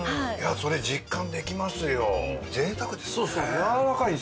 それ実感できますよ。